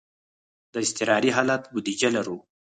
د اضطراري حالت بودیجه لرو؟